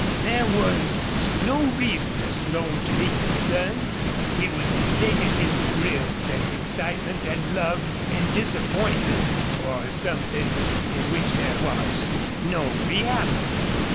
There was no reason for Slone to be concerned. He was mistaking his thrills and excitement and love and disappointment for something in which there was no reality.